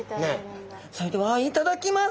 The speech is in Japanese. それではいただきます。